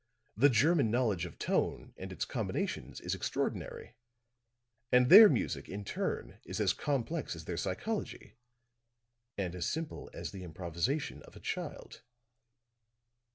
The German knowledge of tone and its combinations is extraordinary; and their music in turn is as complex as their psychology and as simple as the improvisation of a child."